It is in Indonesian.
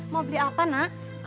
mau beli apa nak